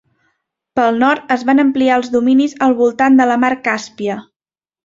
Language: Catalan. Pel nord, es van ampliar els dominis al voltant de la mar Càspia.